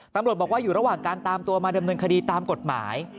ตำรวจบอกว่าอยู่ระหว่างการตามตัวมาดำเนินคดีตามกฎหมาย